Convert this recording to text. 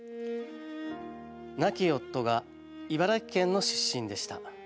「亡き夫が茨城県の出身でした。